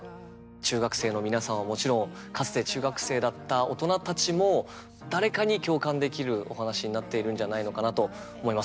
中学生の皆さんはもちろんかつて中学生だった大人たちも誰かに共感できるお話になっているんじゃないのかなと思います。